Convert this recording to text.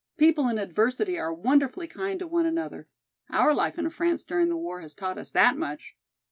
people in adversity are wonderfully kind to one another; our life in France during the war has taught us that much."